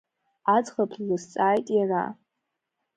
Аӡӷаб длызҵааит иара.